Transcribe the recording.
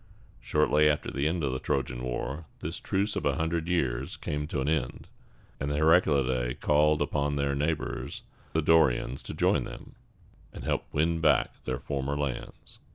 Shortly after the end of the Trojan War, this truce of a hundred years came to an end; and the Heraclidæ called upon their neighbors the Dorians to join them, and help them win back their former lands.